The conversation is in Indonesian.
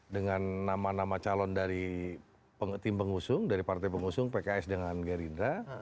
dengan nama nama calon dari tim pengusung dari partai pengusung pks dengan gerindra